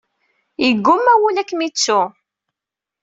Yeggumma wul ad kem-ittttu.